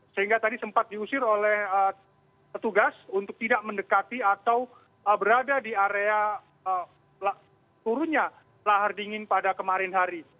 sehingga tadi sempat diusir oleh petugas untuk tidak mendekati atau berada di area turunnya lahar dingin pada kemarin hari